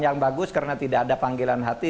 yang bagus karena tidak ada panggilan hati